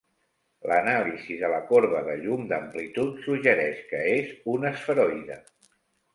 L'anàlisi de la corba de llum d'amplitud suggereix que és un esferoide.